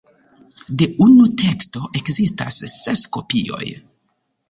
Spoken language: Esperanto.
De unu teksto ekzistas ses kopioj.